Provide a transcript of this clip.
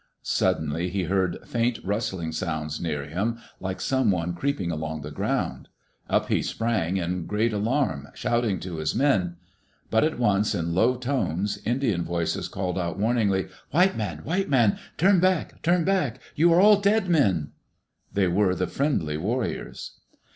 Suddenly, he heard faint, rustling sounds near him, like some one creep ing along the ground. Up he sprang in great alarm, shouting to his men. But at once, in low tones, Indian voices called out warnlngly: "White man I White manl Turn back I Turn backl You are all dead menl They were the friendly warriors.